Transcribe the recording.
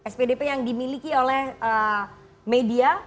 spdp yang dimiliki oleh media